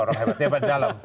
orang hebat hebat dalam